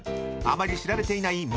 ［あまり知られていない